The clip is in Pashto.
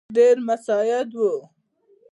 ډېر مساعد وو.